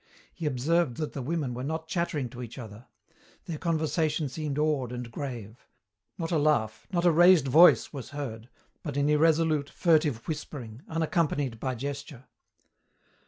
He observed that the women were not chattering to each other. Their conversation seemed awed and grave. Not a laugh, not a raised voice, was heard, but an irresolute, furtive whispering, unaccompanied by gesture.